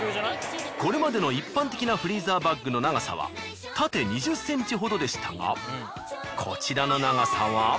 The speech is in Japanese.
これまでの一般的なフリーザーバッグの長さは縦２０ｃｍほどでしたがこちらの長さは。